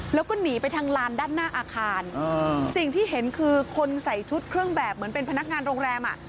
แล้วก็หนีไปทางลานด้านหน้าอาคารสิ่งที่เห็นคือคนใส่ชุดเครื่องแบบเหมือนเป็นพนักงานโรงแรมอ่ะ